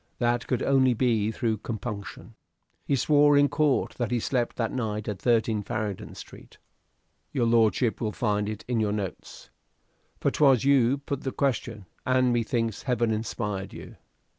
That could only be through compunction. "He swore in court that he slept that night at 13 Farringdon Street. Your lordship will find it on your notes. For 'twas you put the question, and methinks Heaven inspired you.